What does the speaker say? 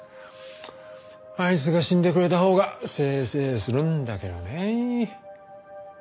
あいつが死んでくれたほうがせいせいするんだけどね。